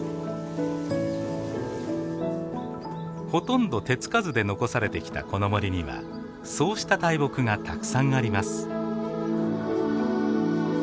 ほとんど手付かずで残されてきたこの森にはそうした大木がたくさんあります。